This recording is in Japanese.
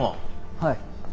はい。